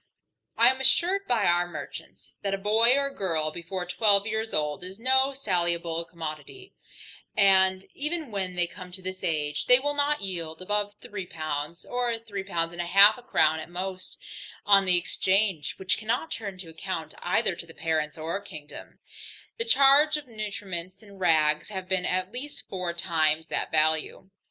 I am assured by our merchants, that a boy or a girl, before twelve years old, is no saleable commodity, and even when they come to this age, they will not yield above three pounds, or three pounds and half a crown at most, on the exchange; which cannot turn to account either to the parents or kingdom, the charge of nutriments and rags having been at least four times that value.